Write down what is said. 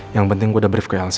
yang penting gue udah brief ke elsa